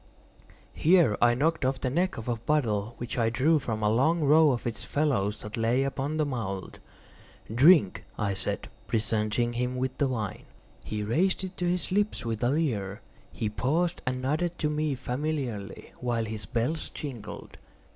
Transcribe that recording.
Here I knocked off the neck of a bottle which I drew from a long row of its fellows that lay upon the mould. "Drink," I said, presenting him the wine. He raised it to his lips with a leer. He paused and nodded to me familiarly, while his bells jingled.